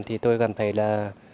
thì tôi gặp một người thầy giáo